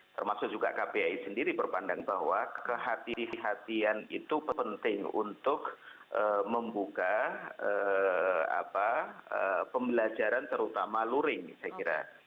termasuk juga kpi sendiri berpandang bahwa kehatian kehatian itu penting untuk membuka pembelajaran terutama luring saya kira